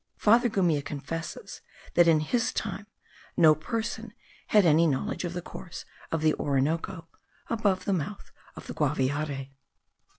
Father Gumilla confesses, that in his time no person had any knowledge of the course of the Orinoco above the mouth of the Guaviare.